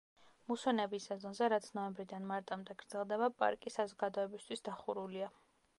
მუსონების სეზონზე, რაც ნოემბრიდან მარტამდე გრძელდება, პარკი საზოგადოებისთვის დახურულია.